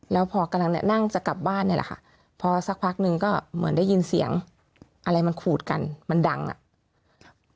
แล้วพอกำลังเนี่ยนั่งจะกลับบ้านเนี่ยแหละค่ะพอสักพักหนึ่งก็เหมือนได้ยินเสียงอะไรมันขูดกันมันดังอ่ะ